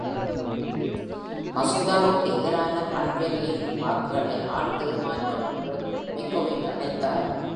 மசோதாவுக்கு எதிரான கான்ட்வெல்லின் வாக்குகளை "ஆழ்ந்த ஏமாற்றம்" என்று மெக்கவிக் அழைத்தார்.